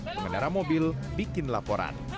pengendara mobil bikin laporan